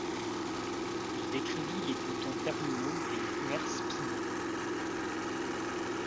Il décrivit les boutons terminaux des nerfs spinaux.